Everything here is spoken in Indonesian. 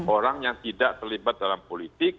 orang yang tidak terlibat dalam politik